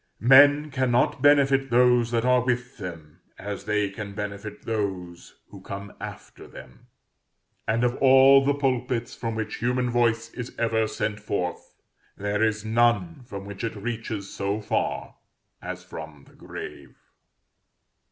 Men cannot benefit those that are with them as they can benefit those who come after them; and of all the pulpits from which human voice is ever sent forth, there is none from which it reaches so far as from the grave.